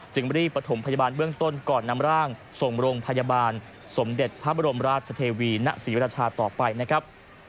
รีบประถมพยาบาลเบื้องต้นก่อนนำร่างส่งโรงพยาบาลสมเด็จพระบรมราชเทวีณศรีวราชาต่อไปนะครับ